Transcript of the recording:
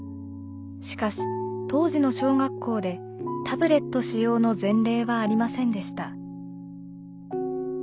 しかし当時の小学校でタブレット使用の前例はありませんでした。